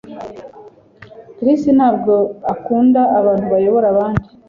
Chris ntabwo akunda abantu bayobora abandi